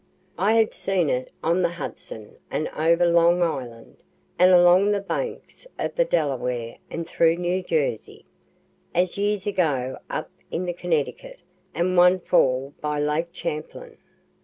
I had seen it on the Hudson and over Long Island, and along the banks of the Delaware and through New Jersey, (as years ago up the Connecticut, and one fall by Lake Champlain.)